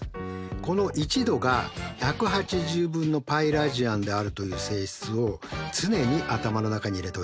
この１°が１８０分のπラジアンであるという性質を常に頭の中に入れておいてくださいよ。